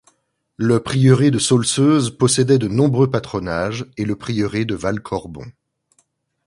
Le prieuré de Saulseuse possédait de nombreux patronages et le prieuré de Val-Corbon.